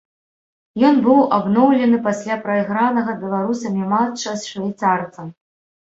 Ён быў абноўлены пасля прайгранага беларусамі матча швейцарцам.